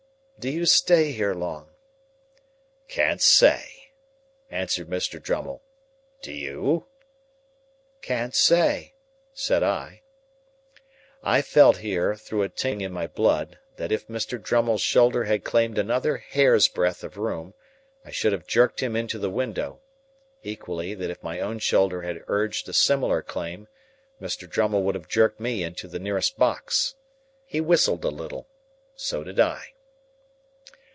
"Do you stay here long?" "Can't say," answered Mr. Drummle. "Do you?" "Can't say," said I. I felt here, through a tingling in my blood, that if Mr. Drummle's shoulder had claimed another hair's breadth of room, I should have jerked him into the window; equally, that if my own shoulder had urged a similar claim, Mr. Drummle would have jerked me into the nearest box. He whistled a little. So did I.